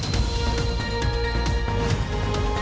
มีความรู้สึกว่ามีความรู้สึกว่ามีความรู้สึกว่า